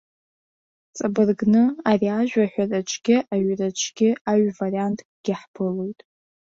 Ҵабыргны, ари ажәа аҳәараҿгьы аҩраҿгьы аҩварианткгьы ҳԥылоит.